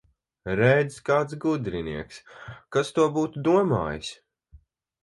Redz, kāds gudrinieks! Kas to būtu domājis!